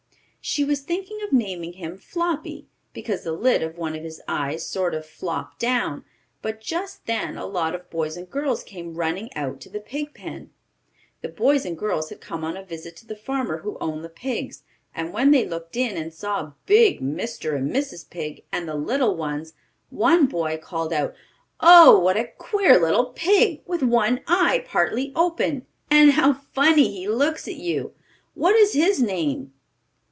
She was thinking of naming him Floppy, because the lid of one of his eyes sort of flopped down. But just then a lot of boys and girls came running out to the pig pen. The boys and girls had come on a visit to the farmer who owned the pigs, and when they looked in, and saw big Mr. and Mrs. Pig, and the little ones, one boy called out: "Oh, what a queer little pig, with one eye partly open! And how funny he looks at you! What is his name?"